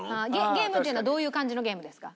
ゲームというのはどういう感じのゲームですか？